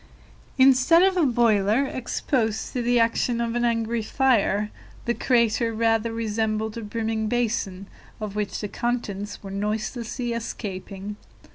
Instead of a boiler exposed to the action of an angry fire, the crater rather resembled a brimming basin, of which the contents were noiselessly escaping.